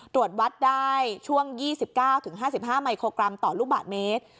ตรวจวัดได้ช่วง๒๙๕๕มิโครกรัมต่อลูกบาทเมตร